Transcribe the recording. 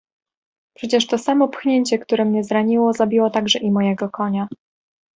"Przecież to samo pchnięcie, które mnie zraniło, zabiło także i mojego konia!"